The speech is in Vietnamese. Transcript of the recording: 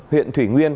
huyện thủy nguyên